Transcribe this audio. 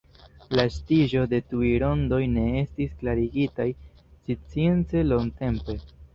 La estiĝo de tiuj rondoj ne estis klarigitaj science longtempe.